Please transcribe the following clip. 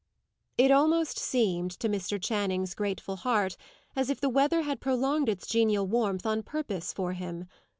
It almost seemed, to Mr. Channing's grateful heart, as if the weather had prolonged its genial warmth on purpose for him.